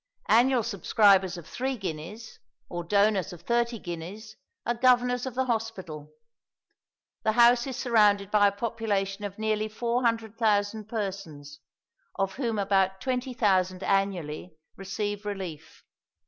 Annual subscribers of three guineas, or donors of thirty guineas, are governors of the hospital. The house is surrounded by a population of nearly 400,000 persons, of whom about 20,000 annually receive relief.